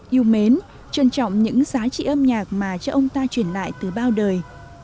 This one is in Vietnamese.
yêu mến trân trọng những giá trị âm nhạc mà cho ông ta truyền lại từ bao đời